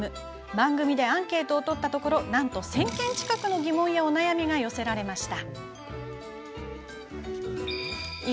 番組でアンケートを取ったところなんと１０００件近くの疑問やお悩みが寄せられました。